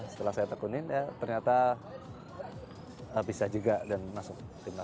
setelah saya tekunin ya ternyata bisa juga dan masuk